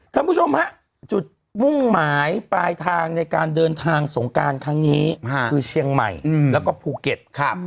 ท่านผู้ชมฮะจุดมุ่งหมายปลายทางในการเดินทางสงการครั้งนี้คือเชียงใหม่แล้วก็ภูเก็ต